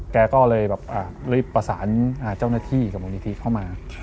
แกก็เลยแบบรีบประสานเจ้าหน้าที่กับมูลนิธิเข้ามา